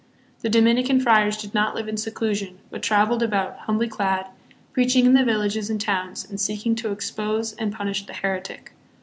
The Dominican friars did not live in seclusion, but traveled about, humbly clad, preaching in the villages and towns, and seeking to ex pose and punish the heretic.